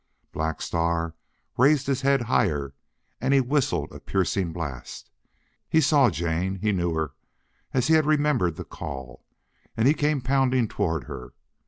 Black Star raised his head higher and he whistled a piercing blast. He saw Jane; he knew her as he had remembered the call; and he came pounding toward her.